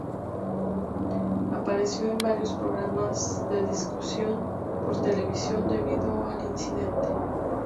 Apareció en varios programas de discusión por televisión debido al incidente.